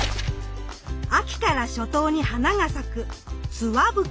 秋から初冬に花が咲くツワブキ。